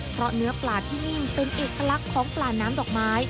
เพราะเนื้อปลาที่นี่เป็นเอกลักษณ์ของปลาน้ำดอกไม้